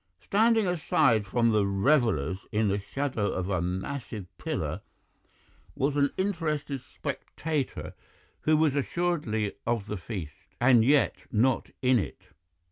"Standing aside from the revellers in the shadow of a massive pillar was an interested spectator who was assuredly of the feast, and yet not in it.